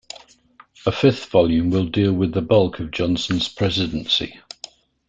A fifth volume will deal with the bulk of Johnson's presidency.